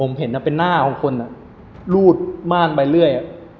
ผมเห็นเป็นหน้าของคนรูดม่านไปเรื่อย